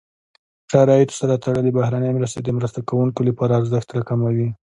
شرایطو سره تړلې بهرنۍ مرستې د مرسته کوونکو لپاره ارزښت راکموي.